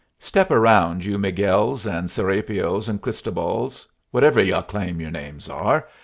Step around, you Miguels and Serapios and Cristobals, whatever y'u claim your names are.